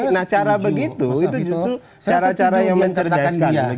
nah cara begitu itu justru cara cara yang mencerdaskan